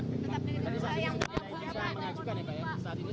tetap dari yang muda tetap dari yang muda tetap dari yang muda